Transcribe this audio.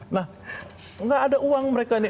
nah gak ada uang mereka ini